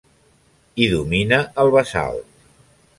Hi domina el basalt.